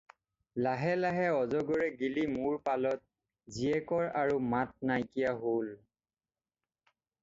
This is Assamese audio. লাহে লাহে অজগৰে গিলি মূৰ পালত, জীয়েকৰ আৰু মাত নাইকিয়া হ'ল।